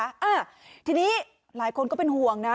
อ่าทีนี้หลายคนก็เป็นห่วงนะ